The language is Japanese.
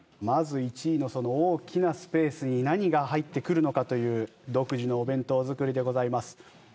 まず１位のその大きなスペースに何が入ってくるのかという独自のお弁当作りでございます。